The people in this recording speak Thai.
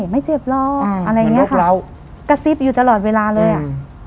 ไม่เจ็บหรอกอะไรอย่างเงี้ยค่ะเรากระซิบอยู่ตลอดเวลาเลยอ่ะ